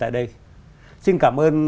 tại đây xin cảm ơn